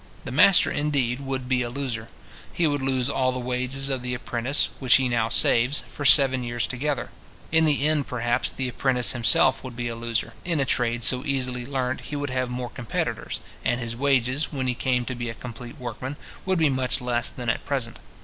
The master, indeed, would be a loser. He would lose all the wages of the apprentice, which he now saves, for seven years together. In the end, perhaps, the apprentice himself would be a loser. In a trade so easily learnt he would have more competitors, and his wages, when he came to be a complete workman, would be much less than at present.